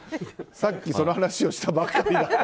さっきその話をしたばっかり。